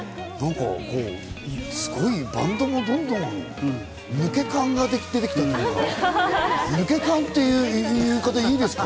すごい、バンドもどんどん抜け感が出てきたというか、抜け感という言い方でいいですか？